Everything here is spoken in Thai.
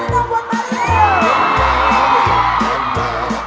บาริโฮะหัวไทยไง